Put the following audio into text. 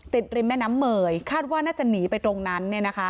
ริมแม่น้ำเมยคาดว่าน่าจะหนีไปตรงนั้น